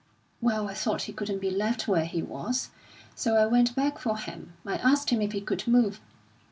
Well, I thought he couldn't be left where he was, so I went back for him. I asked him if he could move.